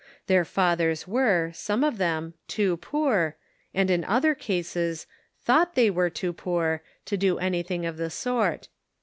Their fathers were, some of them, too poor, and in other eases, thought they were too poor to do anything of the sort.